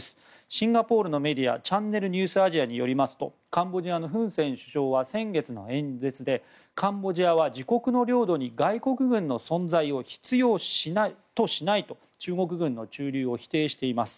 シンガポールのメディアチャンネル・ニュース・アジアによりますとカンボジアのフン・セン首相は先月の演説でカンボジアは自国の領土に外国軍の存在を必要としないと中国軍の駐留を否定しています。